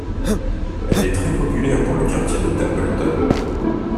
Elle est très populaire dans le quartier de Templeton.